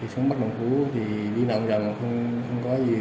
xuống bắc đồng phú thì đi lòng dòng không có gì